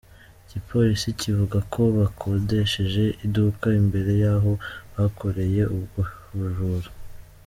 Igipolisi kivuga ko bakodesheje iduka imbere y’aho bakoreye ubwo bujura.